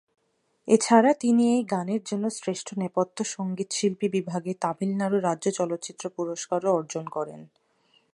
এছাড়া তিনি এই গানের জন্য শ্রেষ্ঠ নেপথ্য সঙ্গীতশিল্পী বিভাগে তামিলনাড়ু রাজ্য চলচ্চিত্র পুরস্কারও অর্জন করেন।